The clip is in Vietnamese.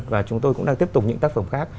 và chúng tôi cũng đang tiếp tục những tác phẩm khác